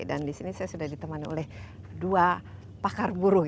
dan di sini saya sudah ditemani oleh dua pakar burung